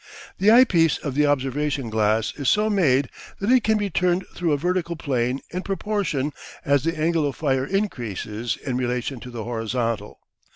The eye piece of the observation glass is so made that it can be turned through a vertical plane in proportion as the angle of fire increases in relation to the horizontal.